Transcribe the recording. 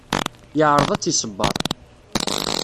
Yeεreḍ ad tt-iṣebber.